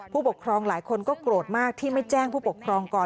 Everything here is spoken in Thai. ผู้ปกครองหลายคนก็โกรธมากที่ไม่แจ้งผู้ปกครองก่อน